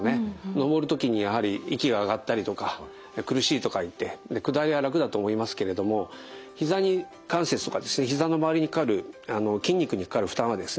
登る時にやはり息が上がったりとか苦しいとかいって下りは楽だと思いますけれどもひざ関節とかひざの周りにかかる筋肉にかかる負担はですね